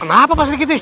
kenapa pak sidiq sih